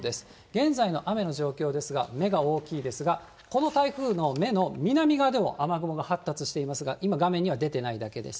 現在の雨の状況ですが、目が大きいですが、この台風の目の南側でも雨雲が発達していますが、今、画面には出てないだけです。